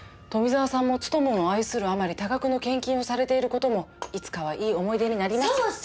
富沢さんもツトムンを愛するあまり多額の献金をされている事もいつかはいい思い出になります。